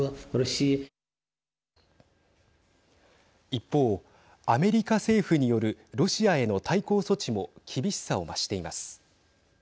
一方、アメリカ政府によるロシアへの対抗措置も厳しさを増しています。